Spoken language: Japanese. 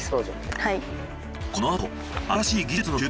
はい。